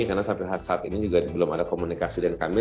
karena sampai saat saat ini juga belum ada komunikasi dengan kami